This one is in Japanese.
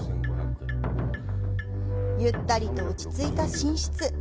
ゆったりと落ち着いた寝室。